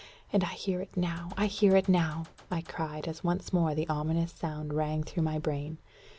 And I hear it now I hear it now!" I cried, as once more the ominous sound rang through my brain.